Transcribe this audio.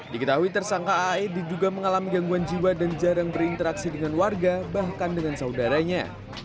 diketahui tersangka ae diduga mengalami gangguan jiwa dan jarang berinteraksi dengan warga bahkan dengan saudaranya